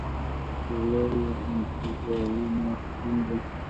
ښکلا یو انتزاعي مفهوم دی.